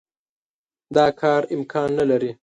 دا کار امکان نه لري.